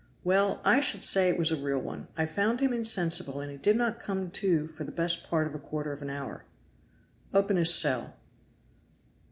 "Well, I should say it was a real one. I found him insensible and he did not come to for best part of a quarter of an hour." "Open his cell."